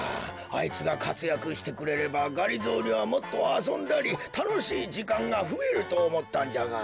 あいつがかつやくしてくれればがりぞーにはもっとあそんだりたのしいじかんがふえるとおもったんじゃが。